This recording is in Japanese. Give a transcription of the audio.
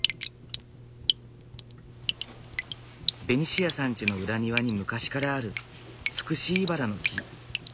ベニシアさんちの裏庭に昔からあるツクシイバラの木。